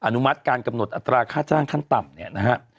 อนุมัติการกำหนดอัตราค่าจ้างขั้นต่ำเนี่ยนะฮะ